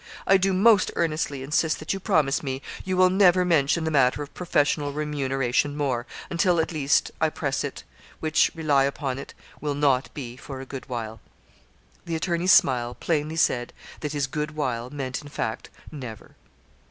I do most earnestly insist that you promise me you will never mention the matter of professional remuneration more, until, at least, I press it, which, rely upon it, will not be for a good while.' The attorney's smile plainly said, that his 'good while' meant in fact 'never.'